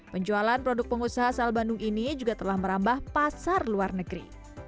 penjualan produk pengusaha asal bandung ini juga telah merambah pasar luar negeri